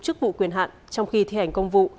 chức vụ quyền hạn trong khi thi hành công vụ